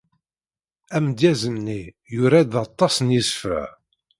Amedyaz-nni yura-d aṭas n yisefra.